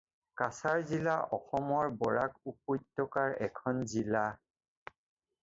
কাছাৰ জিলা অসমৰ বৰাক উপত্যকাৰ এখন জিলা।